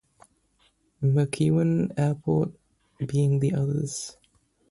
McEwen Airport being the others.